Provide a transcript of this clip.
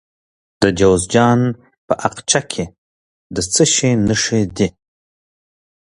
د جوزجان په اقچه کې د څه شي نښې دي؟